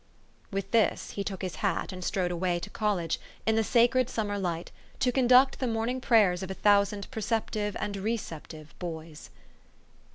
" With this he took his hat and strode away to col lege, in the sacred summer light, to conduct the morning prayers of a thousand perceptive and re ceptive boys.